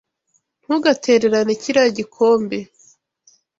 Ntugatererane kiriya gikombe.